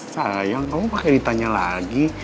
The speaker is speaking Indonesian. sayang kamu pakai ditanya lagi